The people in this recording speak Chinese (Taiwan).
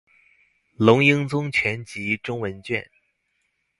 龍瑛宗全集中文卷